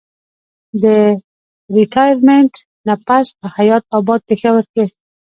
د ريټائرمنټ نه پس پۀ حيات اباد پېښور کښې